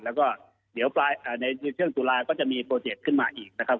แล้วก็เดี๋ยวในช่วงตุลาก็จะมีโปรเจกต์ขึ้นมาอีกนะครับ